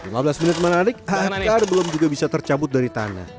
lima belas menit menarik akar belum juga bisa tercabut dari tanah